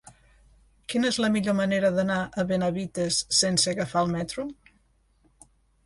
Quina és la millor manera d'anar a Benavites sense agafar el metro?